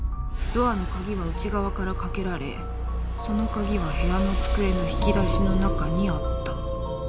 ドアの鍵は内側から掛けられその鍵は部屋の机の引き出しの中にあった。